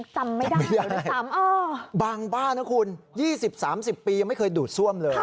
จำไม่ได้บางบ้านนะคุณ๒๐๓๐ปียังไม่เคยดูดซ่วมเลย